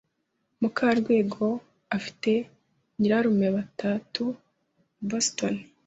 Mukarwego afite nyirarume batatu i Boston.